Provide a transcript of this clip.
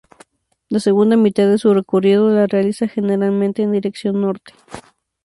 La segunda mitad de su recorrido la realiza generalmente en dirección norte.